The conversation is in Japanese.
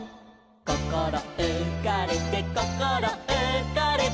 「こころうかれてこころうかれて」